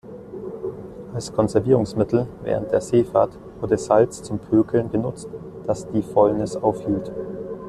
Als Konservierungsmittel während der Seefahrt wurde Salz zum Pökeln genutzt, das die Fäulnis aufhielt.